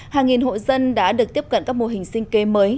hàng nghìn hộ dân đã được tiếp cận các mô hình sinh kế mới